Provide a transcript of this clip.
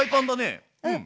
うん。